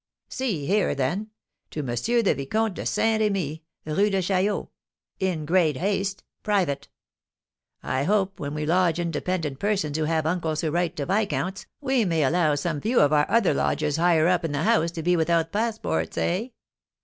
"See here, then, 'To Monsieur the Vicomte de Saint Remy, Rue de Chaillot. In great haste. Private.' I hope, when we lodge independent persons who have uncles who write to viscounts, we may allow some few of our other lodgers higher up in the house to be without passports, eh?"